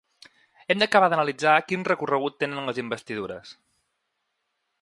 Hem d’acabar d’analitzar quin recorregut tenen les investidures.